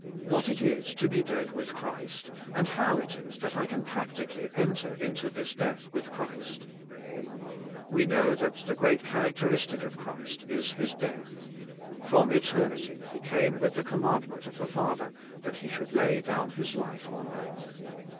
— What it is to be dead with Christ, and how it is that I can practically enter into this death with Christ. We know that the great char 116 DEAD WITH CHRIST acteristic of Christ is His death. From eternity He came with the commandment of the Father that He should lay down His life on earth.